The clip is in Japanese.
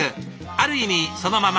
ある意味そのまま。